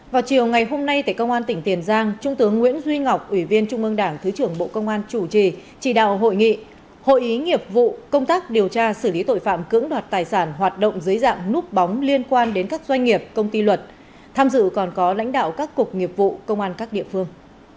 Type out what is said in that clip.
vào chiều ngày hôm nay tại công an tỉnh tiền giang trung tướng nguyễn duy ngọc ủy viên trung ương đảng thứ trưởng bộ công an chủ trì chỉ đạo hội nghị hội ý nghiệp vụ công tác điều tra xử lý tội phạm cưỡng đoạt tài sản hoạt động dưới dạng núp bóng liên quan đến các doanh nghiệp công ty luật tham dự còn có lãnh đạo các cục nghiệp vụ công an các địa phương